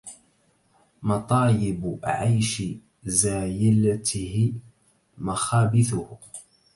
مطايب عيش زايلته مخابثه